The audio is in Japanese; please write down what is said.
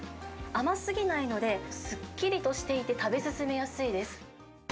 甘すぎないので、すっきりとしていて、食べ進めやすいです。